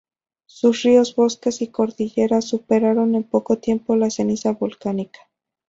Sus ríos, bosques y cordillera superaron en poco tiempo la ceniza volcánica.